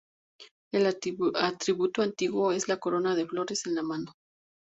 El atributo antiguo es la corona de flores en la mano.